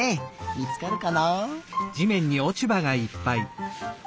みつかるかな。